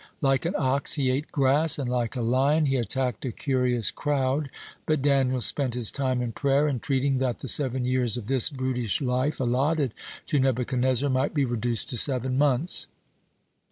Like an ox he ate grass, and like a lion he attacked a curious crowd, but Daniel spent his time in prayer, entreating that the seven years of this brutish life allotted to Nebuchadnezzar might be reduced to seven months.